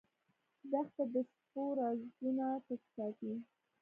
دښته د شپو رازونه پټ ساتي.